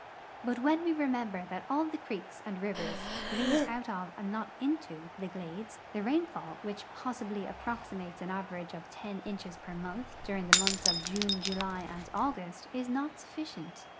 But when we remember that all the creeks and rivers lead out of and not into the glades, the rainfall, which possibly approximate.'^ an average of ten inches jier month during the months of June, July, and August, is not sufficient.